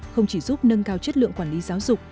không chỉ giúp nâng cao chất lượng quản lý giáo dục